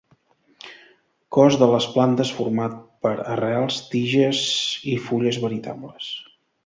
Cos de les plantes format per arrels, tiges i fulles veritables.